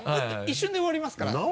て一瞬で終わりますから。